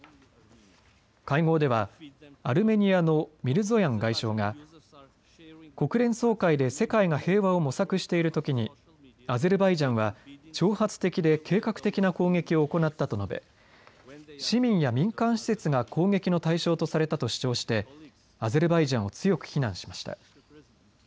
会合ではアルメニアのミルゾヤン外相が国連総会で世界が平和を模索しているときにアゼルバイジャンは挑発的で計画的な攻撃を行ったと述べ市民や民間施設が攻撃の対象とされたと主張してアゼルバイジャンを強く非難しました。